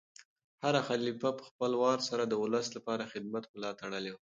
هر خلیفه په خپل وار سره د ولس لپاره د خدمت ملا تړلې وه.